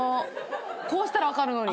こうしたら分かるのに。